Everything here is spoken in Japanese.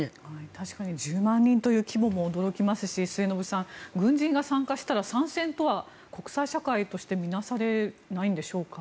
確かに１０万人という規模も驚きますし末延さん、軍人が参加したら参戦とは国際社会として見なされないんでしょうか？